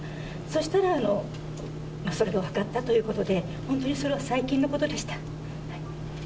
そしたら、それが分かったということで、本当にそれは最近のことでした。